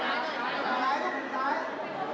สวัสดีครับ